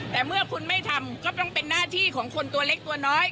แต่เมื่อคุณไม่ทำก็ต้องเป็นหน้าที่ของคนตัวเล็กตัวน้อย